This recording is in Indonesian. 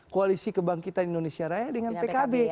koalisi kebangkitan indonesia raya dengan pkb